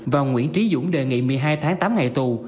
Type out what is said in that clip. và nguyễn trí dũng đề nghị một mươi hai tháng tám ngày tù